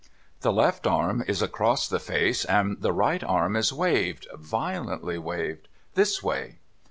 The left arm is across the face, and the right arm is waved, — violently waved. This way.'